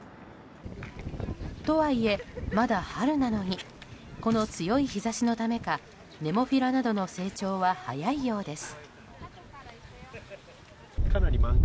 とはいえ、まだ春なのにこの強い日差しのためかネモフィラなどの成長は早いようです。